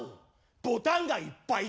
ボタンがいっぱいだ！